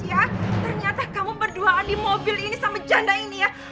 ya ternyata kamu berduaan di mobil ini sama janda ini ya